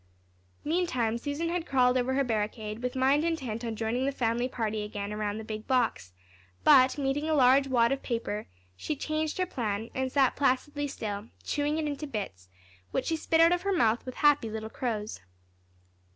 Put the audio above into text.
Meantime Susan had crawled over her barricade, with mind intent on joining the family party again around the big box, but, meeting a large wad of paper, she changed her plan, and sat placidly still, chewing it into bits, which she spit out of her mouth with happy little crows.